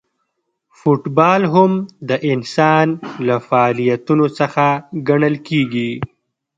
فوټبال هم د انسان له فعالیتونو څخه ګڼل کیږي.